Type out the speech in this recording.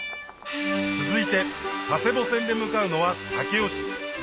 続いて佐世保線で向かうのは武雄市